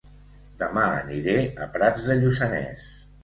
Dema aniré a Prats de Lluçanès